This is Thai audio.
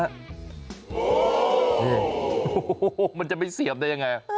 โอ้โหมันจะไม่เสียบได้ยังไง